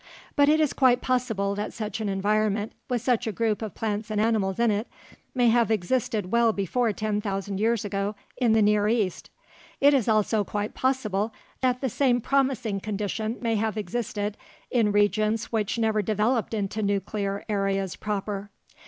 But it is quite possible that such an environment with such a group of plants and animals in it may have existed well before ten thousand years ago in the Near East. It is also quite possible that the same promising condition may have existed in regions which never developed into nuclear areas proper.